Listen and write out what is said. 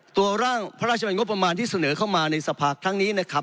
ร่างพระราชบัญงบประมาณที่เสนอเข้ามาในสภาครั้งนี้นะครับ